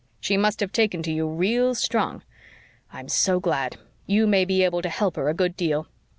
She must have taken to you real strong. I'm so glad. You may be able to help her a good deal.